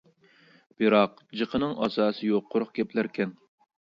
بىراق جىقىنىڭ ئاساسى يوق قۇرۇق گەپلەركەن.